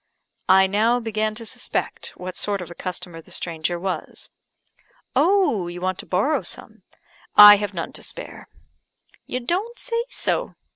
I now began to suspect what sort of a customer the stranger was. "Oh, you want to borrow some? I have none to spare." "You don't say so.